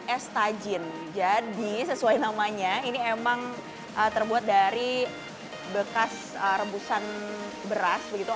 es tajin jadi sesuai namanya ini emang terbuat dari bekas rebusan beras begitu